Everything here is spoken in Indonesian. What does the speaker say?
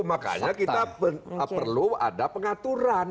makanya kita perlu ada pengaturan